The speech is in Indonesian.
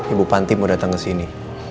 ibu panti mau dateng kesini